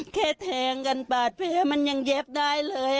แทงกันปาดแผลมันยังเย็บได้เลย